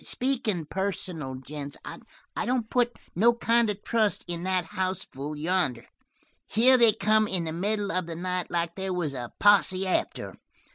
"Speakin' personal, gents, I don't put no kind of trust in that houseful yonder. Here they come in the middle of the night like there was a posse after 'em.